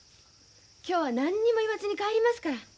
今日は何にも言わずに帰りますから。